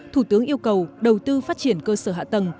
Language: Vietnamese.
thủ tướng yêu cầu đầu tư phát triển cơ sở hạ tầng